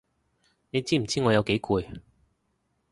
你知唔知我有幾攰？